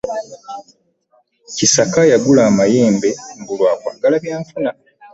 Kisaka yagula amayembe mbu lwa kwagala byanfuna.